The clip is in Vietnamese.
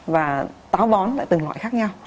và táo bón lại từng loại khác nhau